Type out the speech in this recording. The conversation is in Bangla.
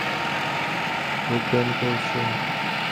ও উড্ডয়ন করছে।